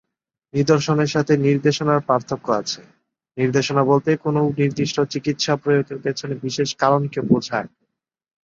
নিদর্শনের সাথে নির্দেশনার পার্থক্য আছে; নির্দেশনা বলতে কোনও নির্দিষ্ট চিকিৎসা প্রয়োগের পেছনে বিশেষ কারণকে বোঝায়।